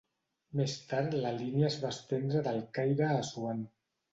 Més tard la línia es va estendre del Caire a Assuan.